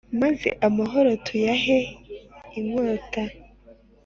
maze amahano tuyahe inkota